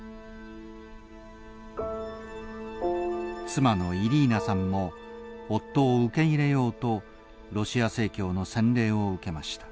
妻のイリーナさんも夫を受け入れようとロシア正教の洗礼を受けました。